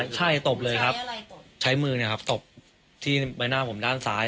ใช่ตบเลยครับใช้มือตบที่ใบหน้าผมด้านซ้าย